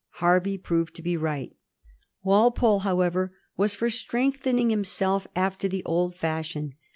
Her vey proved to be right. Walpole, however, was for strengthening himself after the old fashion.